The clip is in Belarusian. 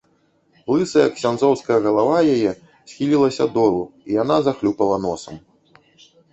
Лысая ксяндзоўская галава яе схілілася долу, і яна захлюпала носам.